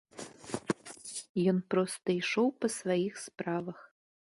Ён проста ішоў па сваіх справах.